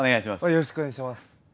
よろしくお願いします。